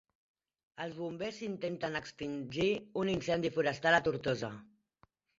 Els bombers intenten extingir un incendi forestal a Tortosa.